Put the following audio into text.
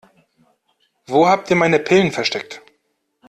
Wo habt ihr meine Pillen versteckt?